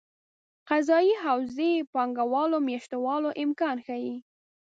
قضايي حوزې پانګه والو مېشتولو امکان ښيي.